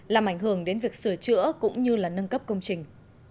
làm ảnh hưởng đến việc sửa chữa cũng như là nâng cấp công trình